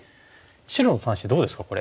白の３子どうですかこれ。